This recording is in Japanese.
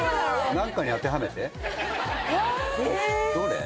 何かに当てはめてどれ？